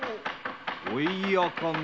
おいやかな？